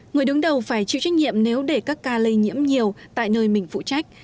người đứng đầu phải chịu trách nhiệm nếu để các ca lây nhiễm nhiều tại nơi mình phụ trách